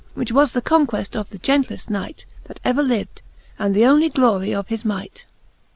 < Which was the conqueft of the gentleft Knight, k That ever liv'd, and th' onely glory of his might. '■ XLI.